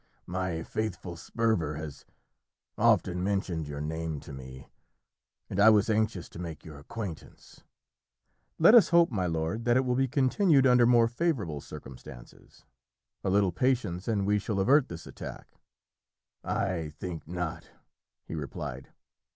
"My faithful Sperver has often mentioned your name to me; and I was anxious to make your acquaintance." "Let us hope, my lord, that it will be continued under more favourable circumstances. A little patience, and we shall avert this attack." "I think not," he replied.